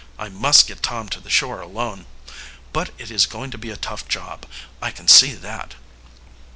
"I must get Tom to the shore alone. But it is going to be a tough job, I can see that."